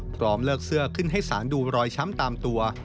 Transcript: พร้อมเลิกเสื้อขึ้นให้สารดูรอยช้ำตามตัว